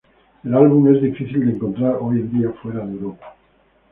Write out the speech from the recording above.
El álbum es difícil de encontrar hoy en día fuera de Europa.